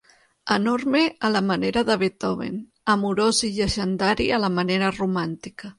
Enorme a la manera de Beethoven, amorós i llegendari a la manera romàntica.